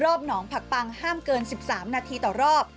หนองผักปังห้ามเกิน๑๓นาทีต่อรอบ